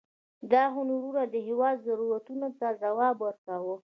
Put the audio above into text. دا هنرونه د هېواد ضرورتونو ته ځواب ورکاوه.